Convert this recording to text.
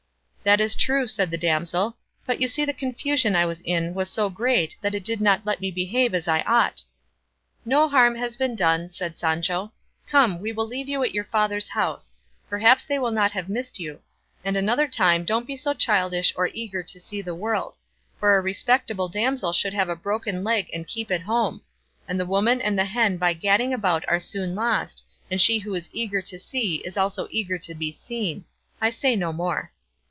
"That is true," said the damsel, "but you see the confusion I was in was so great it did not let me behave as I ought." "No harm has been done," said Sancho; "come, we will leave you at your father's house; perhaps they will not have missed you; and another time don't be so childish or eager to see the world; for a respectable damsel should have a broken leg and keep at home; and the woman and the hen by gadding about are soon lost; and she who is eager to see is also eager to be seen; I say no more."